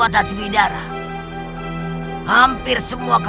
ayah mereka mereka